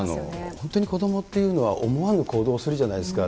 本当に子どもっていうのは、思わぬ行動をするじゃないですか。